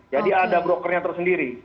jadi ada broker yang tersendiri